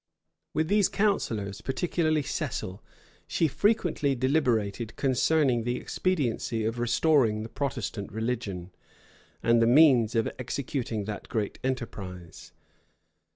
With these counsellors, particularly Cecil, she frequently deliberated concerning the expediency of restoring the Protestant religion, and the means of executing that great enterprise.